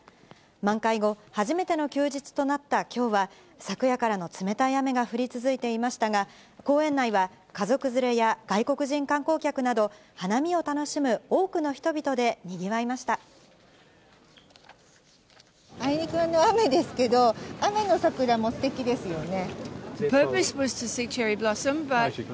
満開後、初めての休日となったきょうは、昨夜からの冷たい雨が降り続いていましたが、公園内は家族連れや外国人観光客など、花見を楽しむ多くの人々であいにくの雨ですけど、雨の桜もすてきですよね。